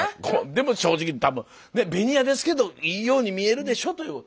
でも正直多分ベニヤですけどいいように見えるでしょという。